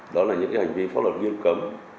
đó là những hành vi phá luật nghiêm cấm